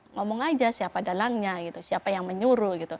ngomong aja siapa dalangnya siapa yang menyuruh